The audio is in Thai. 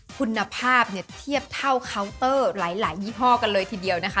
คุณภาพเนี่ยเทียบเท่าเคาน์เตอร์หลายยี่ห้อกันเลยทีเดียวนะคะ